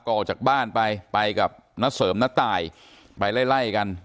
ก็ออกจากบ้านไปกับนักเสริมนักตายไปไล่กัน